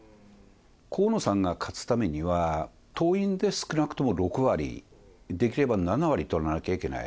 河野さんが勝つためには党員で少なくとも６割、できれば７割取らなきゃいけない。